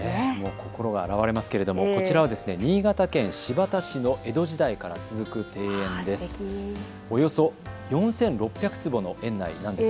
心が洗われますけれどもこちらは新潟県新発田市の江戸時代から続く庭園です。